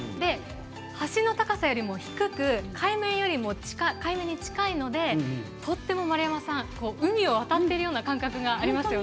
橋の高さよりも低く海面に近いので、とても丸山さん、海を渡ってるような感覚がありますよね。